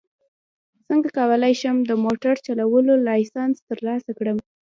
څنګه کولی شم د موټر چلولو لایسنس ترلاسه کړم